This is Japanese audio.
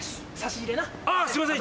あぁすいません！